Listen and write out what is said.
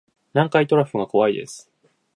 南海トラフが怖いです